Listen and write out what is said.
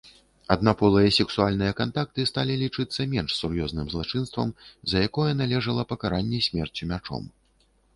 Аднаполыя сексуальныя кантакты сталі лічыцца менш сур'ёзным злачынствам, за якое належыла пакаранне смерцю мячом.